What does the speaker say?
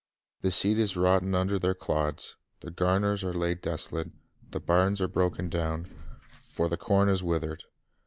... The seed is rotten under their clods, the garners are laid desolate, the barns are broken down; for the corn is withered.